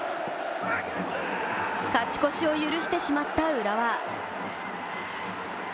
勝ち越しを許してしまった浦和。